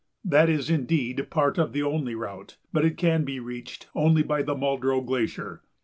That is, indeed, part of the only route, but it can be reached only by the Muldrow Glacier.